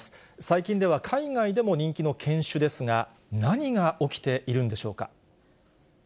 最近では海外でも人気の犬種ですが、何が起きているんでしょうか。